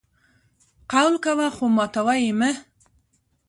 قول کوه خو ماتوه یې مه!